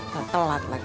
gak telat lagi